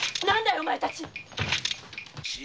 お前たち！